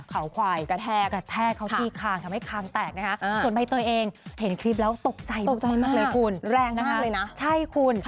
เขาควายกระแทกกระแทกเขาที่คางทำให้คางแตกนะคะส่วนใบเตยเองเห็นคลิปแล้วตกใจตกใจมากเลยคุณแรงมากเลยนะใช่คุณ